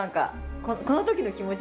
このときの気持ち。